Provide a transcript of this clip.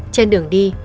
trên đường đi